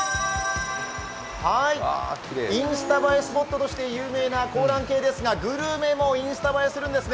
インスタ映えスポットとして有名な香嵐渓ですがグルメもインスタ映えするんですね。